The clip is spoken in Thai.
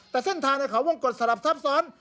แต่เส้นทางในเขาวงกฎสลับซับซ้อน